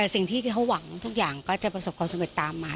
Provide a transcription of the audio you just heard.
สิ่งที่เขาหวังทุกอย่างก็จะประสบความสำเร็จตามมา